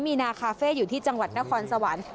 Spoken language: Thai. มีนาคาเฟ่อยู่ที่จังหวัดนครสวรรค์